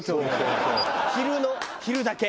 昼の昼だけ。